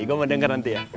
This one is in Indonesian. gue mau denger nanti ya